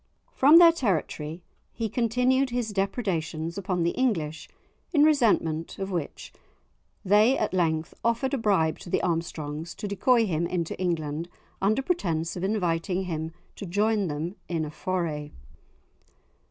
From their territory he continued his depredations upon the English, in resentment of which they at length offered a bribe to the Armstrongs to decoy him into England under pretence of inviting him to join them in a foray.